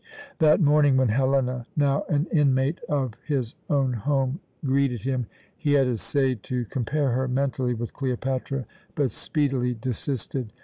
That morning when Helena, now an inmate of his own home, greeted him, he had essayed to compare her, mentally, with Cleopatra, but speedily desisted.